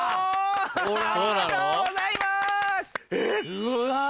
うわ。